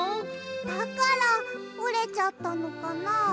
だからおれちゃったのかな。